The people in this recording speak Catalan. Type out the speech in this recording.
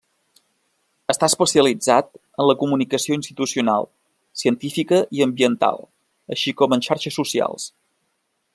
Està especialitzat en la comunicació institucional, científica i ambiental, així com en xarxes socials.